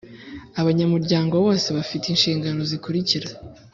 Abanyamuryango bose bafite inshingano zikurikira